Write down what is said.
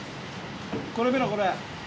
これ見ろこれ。